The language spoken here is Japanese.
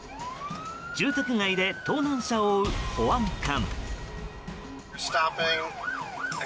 住宅街で盗難車を追う保安官。